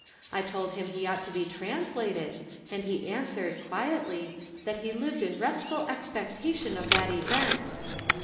I told him he ought to be translated, and he answered, quietly, that he lived in restful expectation of that event.